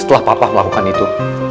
setelah papa melakukan itu